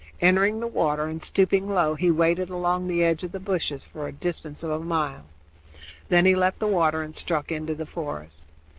Entering the water and stooping low, he waded along the edge of the bushes for a distance of a mile; then he left the water and struck into the forest.